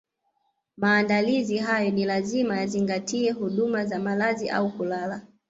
Maandalizi hayo ni lazima yazingatie huduma za malazi au kulala